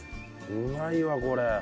うまいわこれ。